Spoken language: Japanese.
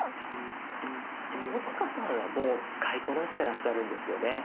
友近さんはもう使いこなしてらっしゃるんですよね？